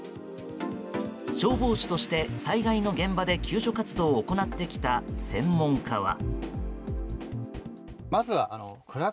消防士として災害の現場で救助活動を行ってきた専門家は。